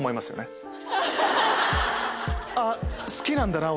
あっ好きなんだな